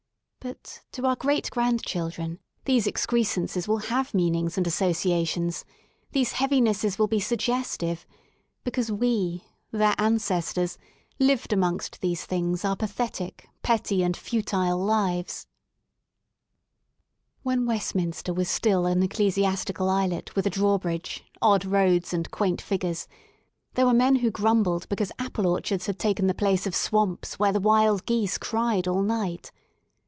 But to our greatgrandchildren these excrescences will have mean ings and associations, these heavinesses will be sug gestive> because we, their ancestors, lived amongst these things our pathetic, petty, and futile lives. When Westminster was still an ecclesiastical islet with a drawbridge, odd roads and quaint figures, there were men who grumbled because apple orchards had taken the place of swamps where the wild gtes^ cried all night.